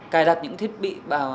cài đặt những thiết bị bảo